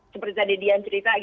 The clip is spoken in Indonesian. seperti tadi dian cerita